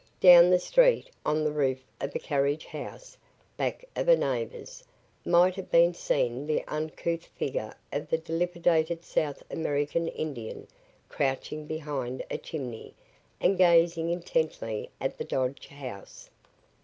Down the street, on the roof of a carriage house, back of a neighbor's, might have been seen the uncouth figure of the dilapidated South American Indian crouching behind a chimney and gazing intently at the Dodge house.